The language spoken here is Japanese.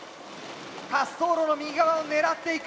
滑走路の右側を狙っていく。